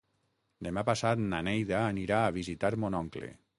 Demà passat na Neida anirà a visitar mon oncle.